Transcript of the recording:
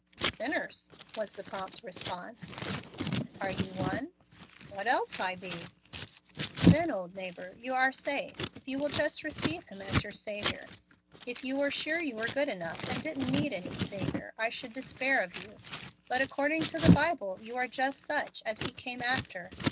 "Sinners," was the prompt response. "Are you one?" "What else be I?" "Then, old neighbor, you are safe, if you will just receive Him as your Saviour. If you were sure you were good enough and didn't need any Saviour, I should despair of you. But according to the Bible you are just such as He came after.